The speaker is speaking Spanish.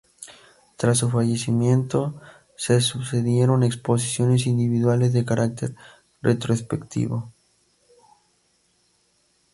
Tras su fallecimiento se sucedieron exposiciones individuales de carácter retrospectivo.